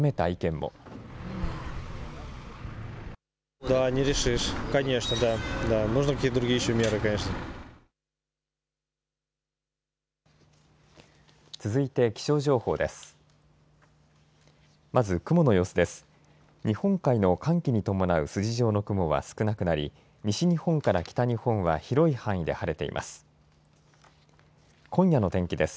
日本海の寒気に伴う筋状の雲は少なくなり西日本から北日本は広い範囲で晴れています。